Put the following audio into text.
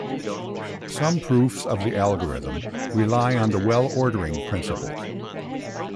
Some proofs of the algorithm rely on the Well-ordering principle.